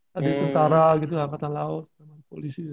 tadi tentara gitu lah angkatan laut polisi